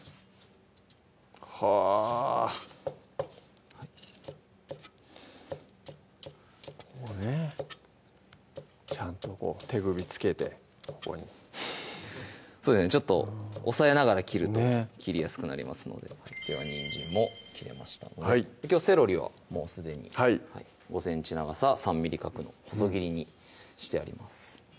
はぁちゃんとこう手首つけてここにそうですねちょっと押さえながら切ると切りやすくなりますのでではにんじんも切れましたのできょうはセロリはもうすでに５ｃｍ長さ３ｍｍ角の細切りにしてあります